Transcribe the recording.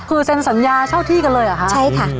คือเซ็นสัญญาเช่าที่กันเลยเหรอคะใช่ค่ะ